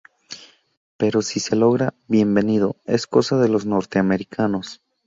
Pero si se logra, bienvenido, es cosa de los norteamericanos.